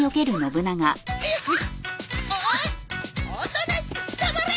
おとなしく捕まれ！